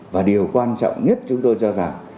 và điều quan trọng nhất chúng tôi cho rằng